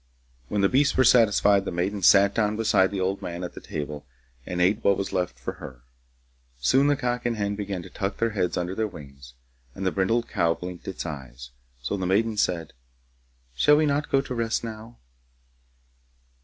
When the beasts were satisfied, the maiden sat down beside the old man at the table and ate what was left for her. Soon the cock and hen began to tuck their heads under their wings, and the brindled cow blinked its eyes, so the maiden said, 'Shall we not go to rest now?